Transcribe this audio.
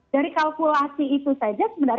dari kalkulasi itu saja sebenarnya